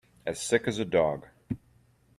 As sick as a dog.